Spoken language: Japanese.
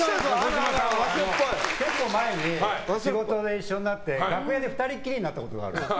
結構前に、仕事で一緒になって楽屋で２人きりになったことがある。